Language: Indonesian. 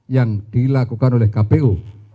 yang dilakukan oleh kpu